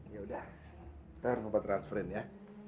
ya udah ntar papa transferin ya